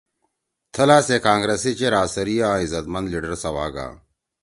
تَھلا سے کانگرس سی چیر آثری آں عزت مند لیڈر سوا گا